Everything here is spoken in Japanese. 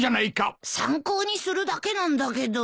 参考にするだけなんだけど。